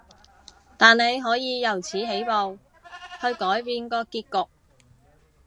但你可以由此起步，去改變個結局